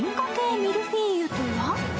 ミルフィーユとは？